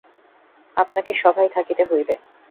আপনাকে সভায় থাকিতে হইবে।